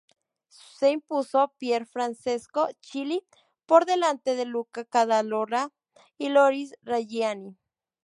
Se impuso Pierfrancesco Chili por delante de Luca Cadalora y Loris Reggiani.